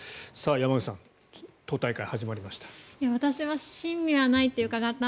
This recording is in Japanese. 山口さん党大会が始まりました。